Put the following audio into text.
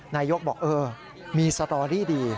นายกรัฐมนตรีบอกมี๘๘๐๐ดี